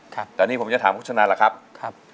ครับตอนนี้ผมจะถามคุณชุนันล่ะครับ